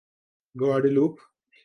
Guadeloupe